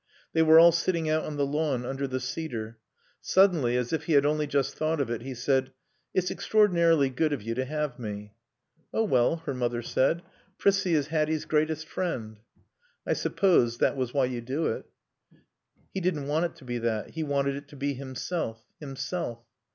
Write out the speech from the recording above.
They were all sitting out on the lawn under the cedar. Suddenly, as if he had only just thought of it, he said: "It's extraordinarily good of you to have me." "Oh, well," her mother said, "Prissie is Hatty's greatest friend." "I supposed that was why you do it." He didn't want it to be that. He wanted it to be himself. Himself.